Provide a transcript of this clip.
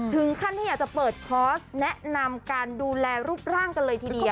ถึงขั้นที่อยากจะเปิดคอร์สแนะนำการดูแลรูปร่างกันเลยทีเดียว